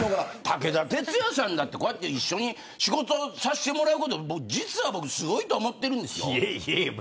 武田鉄矢さんだって一緒に仕事をさせてもらえること実は僕すごいと思っているんですよ。